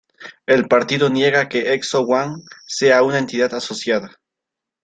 El partido niega que "ExO One" sea una entidad asociada.